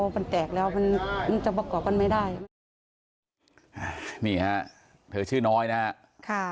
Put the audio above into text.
บอกว่าสื่อดอกกุหราบไปให้